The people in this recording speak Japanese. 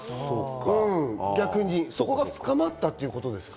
そこが深まったっていうことですか？